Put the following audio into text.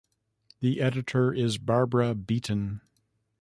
The editor is Barbara Beeton.